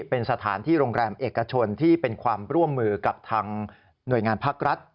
เป็นสถานที่โรงแรมเอกชนที่เป็นความร่วมมือกับทางหน่วยงานภาครัฐ